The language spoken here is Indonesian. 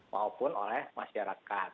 maupun oleh masyarakat